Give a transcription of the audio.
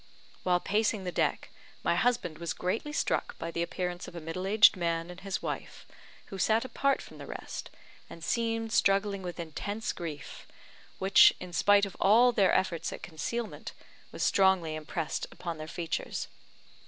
While pacing the deck, my husband was greatly struck by the appearance of a middle aged man and his wife, who sat apart from the rest, and seemed struggling with intense grief, which, in spite of all their efforts at concealment, was strongly impressed upon their features.